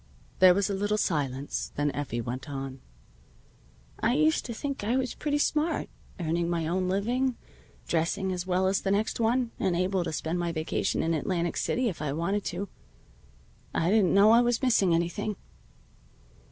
There was a little silence. Then Effie went on. "I used to think I was pretty smart, earning my own good living, dressing as well as the next one, and able to spend my vacation in Atlantic City if I wanted to. I didn't know I was missing anything.